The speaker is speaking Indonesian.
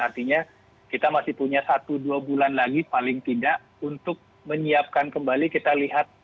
artinya kita masih punya satu dua bulan lagi paling tidak untuk menyiapkan kembali kita lihat